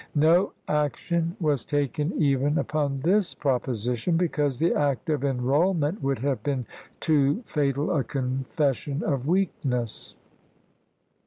No action was taken even upon this proposition, because the act of enrollment would have been too fatal a confession of weakness.